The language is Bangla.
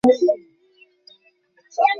স্ত্রীর প্রতি কটুকথা বলে ফেলে নিজেরই মনে কষ্ট হত।